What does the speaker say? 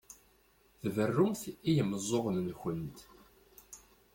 Tberrumt i yimeẓẓuɣen-nkent.